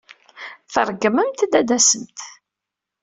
Tṛeggmemt-d ad d-tasemt.